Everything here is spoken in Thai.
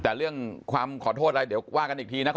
แต่เรื่องความขอโทษอะไรเดี๋ยวว่ากันอีกทีนะ